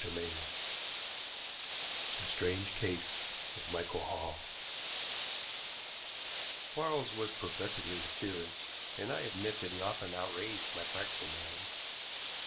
CHAPTER IV THE STRANGE CASE OF MICHAEL HALL Quarles was professedly a theorist, and I admit that he often outraged my practical mind.